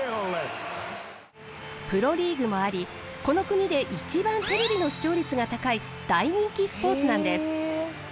プロリーグもありこの国で一番テレビの視聴率が高い大人気スポーツなんです。